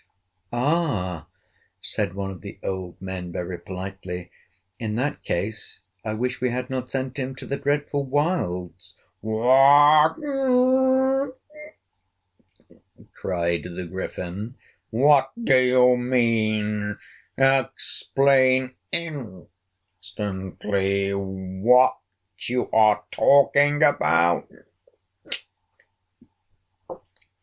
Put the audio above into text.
"Ah!" said one of the old men very politely, "in that case I wish we had not sent him to the dreadful wilds!" "What!" cried the Griffin. "What do you mean? Explain instantly what you are talking about!"